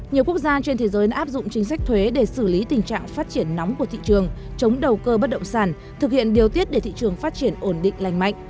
nhiều quốc gia trên thế giới đã áp dụng chính sách thuế để xử lý tình trạng phát triển nóng của thị trường chống đầu cơ bất động sản thực hiện điều tiết để thị trường phát triển ổn định lành mạnh